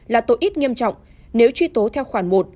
là tội ít nghiêm trọng nếu truy tố theo khoản một